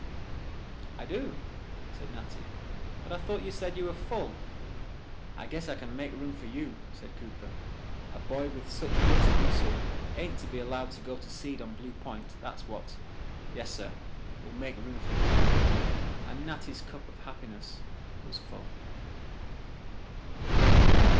"I do," said Natty, "but I thought you said you were full." "I guess I can make room for you," said Cooper. "A boy with such grit and muscle ain't to be allowed to go to seed on Blue Point, that's what. Yesser, we'll make room for you." And Natty's cup of happiness was full.